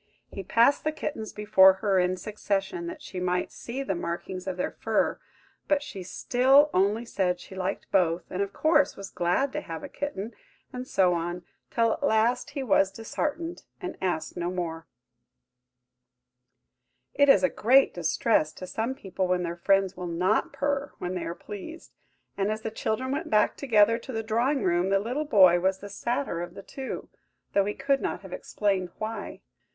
He passed the kittens before her in succession, that she might see the markings of their fur, but she still only said she liked both, and, of course, was glad to have a kitten, and so on; till, at last, he was disheartened, and asked no more. It is a great distress to some people when their friends will not purr when they are pleased; and as the children went back together to the drawing room, the little boy was the sadder of the two, though he could not have explained why.